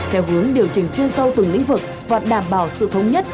theo hướng điều chỉnh chuyên sâu từng lĩnh vực và đảm bảo sự thống nhất